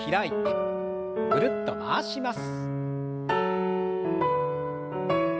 ぐるっと回します。